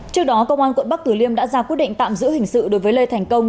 trước đó công an quận bắc tử liêm đã ra quyết định tạm giữ hình sự đối với lê thành công